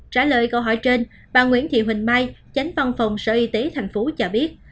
trả lời câu hỏi trên bà nguyễn thị huỳnh mai chánh văn phòng sở y tế tp cho biết